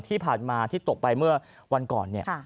ที่ผ่านมาที่ตกไปเมื่อวันก่อนเนี่ย